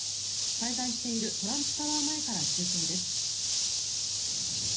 滞在しているトランプタワー前から中継です。